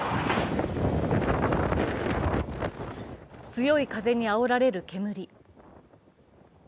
強い風にあおられる煙。